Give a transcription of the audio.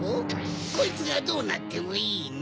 こいつがどうなってもいいの？